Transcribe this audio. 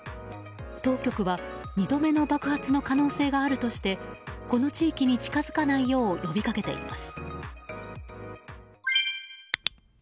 当局は２度目の爆発の可能性があるとしてこの地域に近づかないよう呼びかけています。